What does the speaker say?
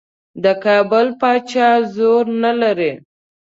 د کابل پاچا زور نه لري.